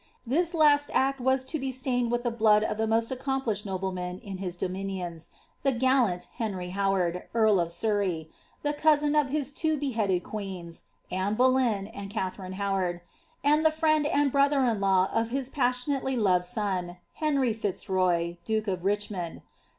Its last act was to be stained with the blotxi of the most ac >mplished nobleman in his dominions, the gallant Henry Howard, earl Surrey, the cousin of his two beheaded queens, Anne Boleyn, and itharine Howard ; and the friend, and brother in law of his passion ely loved son, Henry Fitzroy, duke of Richmond.